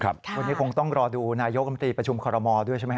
วันนี้คงต้องรอดูนายกรรมตรีประชุมคอรมอลด้วยใช่ไหมฮ